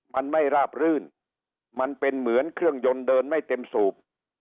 มันไม่ราบรื่นมันเป็นเหมือนเครื่องยนต์เดินไม่เต็มสูบ